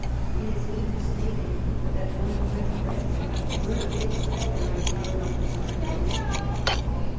It is even stated that one French regiment burned its colors when the order for surrender was given.